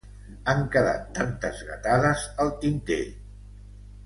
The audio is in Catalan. Han quedat tantes gatades al tinter!